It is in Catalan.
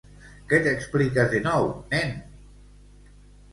Que t'expliques de nou, nen?